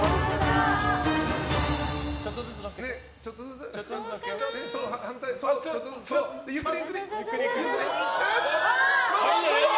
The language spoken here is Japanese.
ちょっとずつ、ゆっくり。